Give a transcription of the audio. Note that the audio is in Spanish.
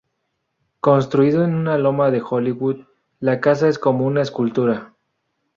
Construido en una loma de Hollywood, la casa es como una escultura.